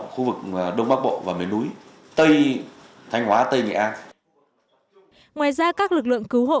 khu vực đông bắc bộ và miền núi tây thanh hóa tây nghệ an ngoài ra các lực lượng cứu hộ